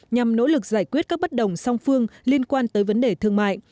nhằm nỗ lực giải quyết các bất đồng song phương liên quan tới vấn đề thương mại